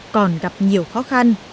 còn gặp nhiều khó khăn